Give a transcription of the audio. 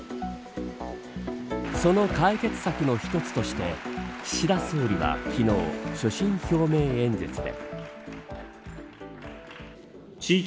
その解決策の一つとして岸田総理は昨日所信表明演説で。